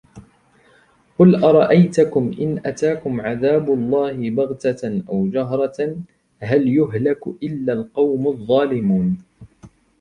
قل أرأيتكم إن أتاكم عذاب الله بغتة أو جهرة هل يهلك إلا القوم الظالمون